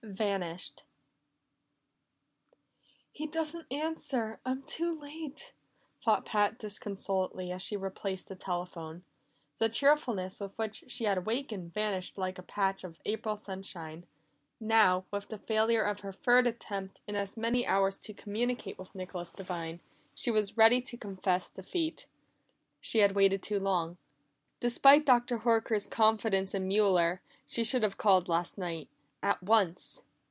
18 Vanished "He doesn't answer! I'm too late," thought Pat disconsolately as she replaced the telephone. The cheerfulness with which she had awakened vanished like a patch of April sunshine. Now, with the failure of her third attempt in as many hours to communicate with Nicholas Devine, she was ready to confess defeat. She had waited too long. Despite Dr. Horker's confidence in Mueller, she should have called last night at once.